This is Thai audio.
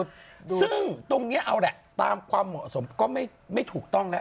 ซึ่งตรงเนี้ยเอาแหละตามความเหมาะสมก็ไม่ถูกต้องแล้ว